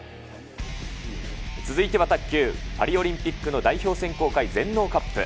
続いては卓球、パリオリンピックの代表選考会、全農カップ。